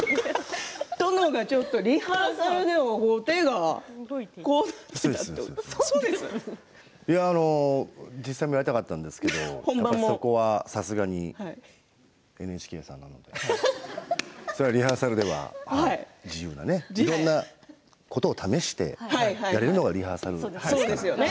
殿がリハーサルで手が。実際もやりたかったんですけれどもそこはさすがにＮＨＫさんなのでリハーサルでは自由なね、いろんなことを試してやるのがリハーサルですからね。